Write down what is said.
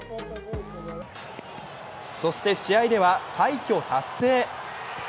そして試合では快挙達成。